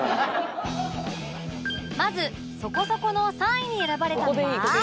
まずそこそこの３位に選ばれたのは